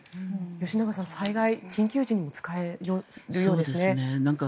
吉永さん、災害や緊急時にも使えるようですね。